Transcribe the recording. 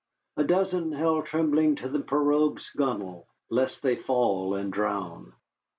A dozen held tremblingly to the pirogue's gunwale, lest they fall and drown.